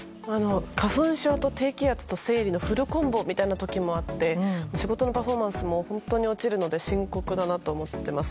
花粉症と低気圧と生理のフルコンボみたいな時もあって仕事のパフォーマンスも落ちるので深刻だなと思ってます。